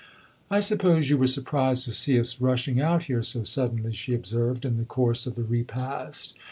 "I suppose you were surprised to see us rushing out here so suddenly," she observed in the course of the repast.